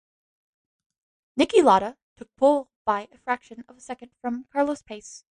Niki Lauda took pole by a fraction of a second from Carlos Pace.